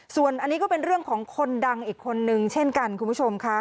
ส่วนอันนี้ก็เป็นเรื่องของคนดังอีกคนนึงเช่นกันคุณผู้ชมค่ะ